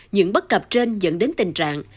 những bất cập trên dẫn đến tình trạng